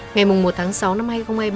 ngày một tháng sáu năm hai nghìn hai mươi ba